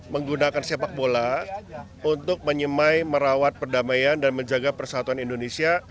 menggunakan sepak bola untuk menyemai merawat perdamaian dan menjaga persatuan indonesia